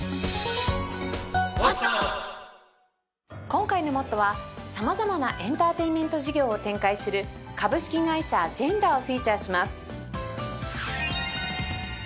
今回の『ＭＯＴＴＯ！！』は様々なエンターテインメント事業を展開する株式会社ＧＥＮＤＡをフィーチャーします。